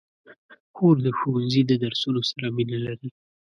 خور د ښوونځي د درسونو سره مینه لري.